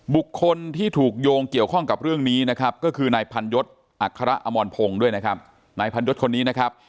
บุคคลที่ถูกโยงเกี่ยวข้องกับเรื่องนี้นะครับก็คือนายพันยศอัครมอนพงศ์ด้วยนะครับ